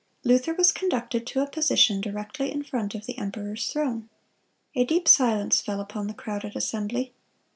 Luther was conducted to a position directly in front of the emperor's throne. A deep silence fell upon the crowded assembly.